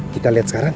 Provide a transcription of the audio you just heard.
kita liat sekarang